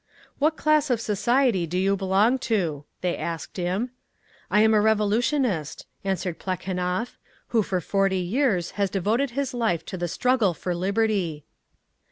"What class of society do you belong to?" they asked him. "I am a revolutionist," answered Plekhanov, "who for forty years has devoted his life to the struggle for liberty!"